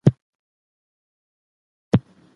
ژبه د انسان د هویت نښه ده.